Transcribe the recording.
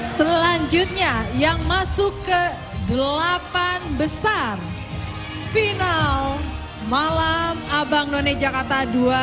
selanjutnya yang masuk ke delapan besar final malam abang none jakarta dua ribu dua puluh